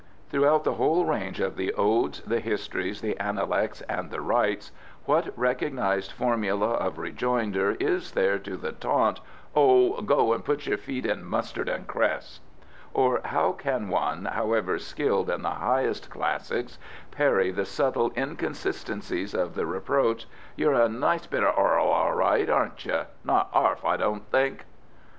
Throughout the whole range of the Odes, the Histories, the Analects, and the Rites what recognised formula of rejoinder is there to the taunt, "Oh, go and put your feet in mustard and cress"; or how can one, however skilled in the highest Classics, parry the subtle inconsistencies of the reproach, "You're a nice bit of orl right, aren't you? Not arf, I don't think."